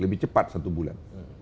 lebih cepat satu bulan